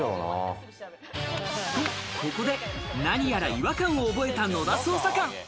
ここで、なにやら違和感を覚えた野田捜査官。